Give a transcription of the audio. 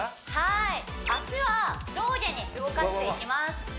はい脚は上下に動かしていきます